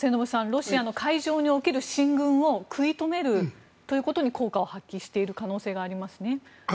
ロシアの海上における進軍を食い止めるということに効果を発揮している可能性がありますね。